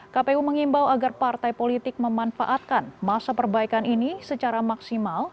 kpu mengimbau agar partai politik memanfaatkan masa perbaikan ini secara maksimal